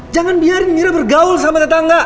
jangan biarin mira bergaul sama tetangga